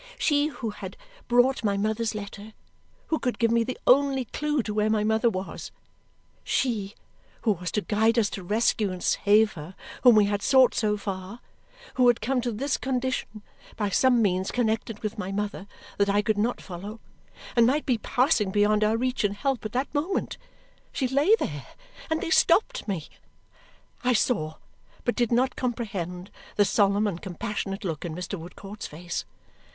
She who had brought my mother's letter, who could give me the only clue to where my mother was; she, who was to guide us to rescue and save her whom we had sought so far, who had come to this condition by some means connected with my mother that I could not follow, and might be passing beyond our reach and help at that moment; she lay there, and they stopped me! I saw but did not comprehend the solemn and compassionate look in Mr. Woodcourt's face.